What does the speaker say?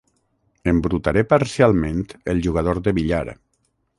Embrutaré parcialment el jugador de billar.